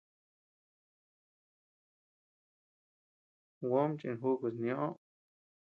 Juóm chinjukus niöo.